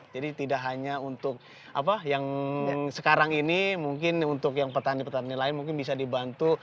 jadi tidak hanya untuk apa yang sekarang ini mungkin untuk yang petani petani lain mungkin bisa dibantu